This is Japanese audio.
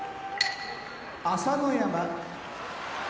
朝乃山